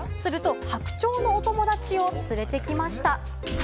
白鳥のお友達を連れてきました。